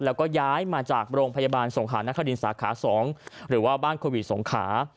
แล้วก็ย้ายมาจากโรงพยาบาลสงขานครินสาขา๒หรือว่าบ้านโควิดสงขา